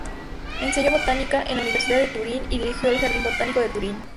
Enseñó botánica en la Universidad de Turín y dirigió el jardín botánico de Turín.